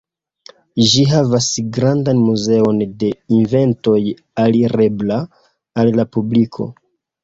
Ĝi havas grandan muzeon de inventoj alirebla al la publiko.